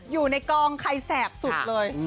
อยู่ในกองใครแสบสุดเลย